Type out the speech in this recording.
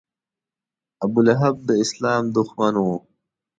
ابولهب د اسلام دښمن و.